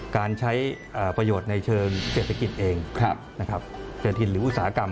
การใช้ประโยชน์ในเชิงเศรษฐกิจเองนะครับเศรษฐินหรืออุตสาหกรรม